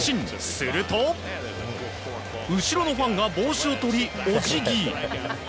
すると、後ろのファンが帽子を取りお辞儀。